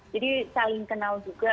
jadi saling kenal juga